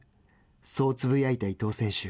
そうつぶやいた伊藤選手。